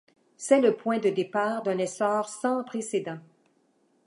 C'est le point de départ d'un essor sans précédent.